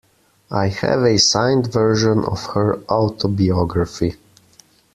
I have a signed version of her autobiography.